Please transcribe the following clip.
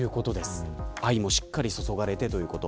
愛もしっかり注がれてということ。